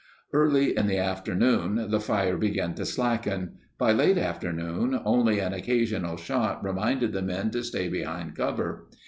Early in the afternoon the fire began to slacken. By late afternoon only an occasional shot reminded the men to stay behind cover.